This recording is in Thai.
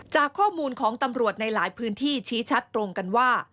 จากข้อมูลของตำรวจในหลายพื้นที่ชี้ชัดตรงกันว่า